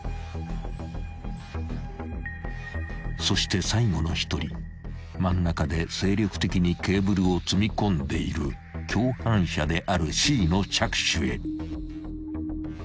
［そして最後の一人真ん中で精力的にケーブルを積み込んでいる共犯者であるＣの着手へ］